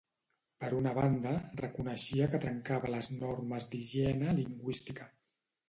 Per una banda, reconeixia que trencava les normes d'higiene lingüística.